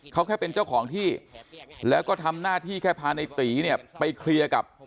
เขาแค่เป็นเจ้าของที่แล้วก็ทำหน้าที่แค่พาในตีเนี่ยไปเคลียร์กับ